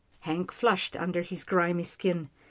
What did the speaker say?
Hank flushed under his grimy skin.